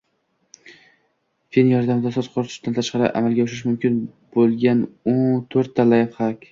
Fen yordamida soch quritishdan tashqari amalga oshirish mumkin bo‘lgano´n to´rtta layfxak